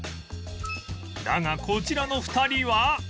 だがこちらの２人は